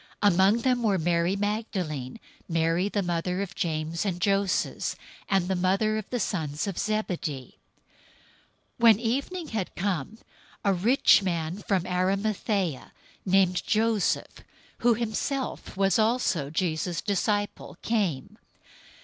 027:056 Among them were Mary Magdalene, Mary the mother of James and Joses, and the mother of the sons of Zebedee. 027:057 When evening had come, a rich man from Arimathaea, named Joseph, who himself was also Jesus' disciple came.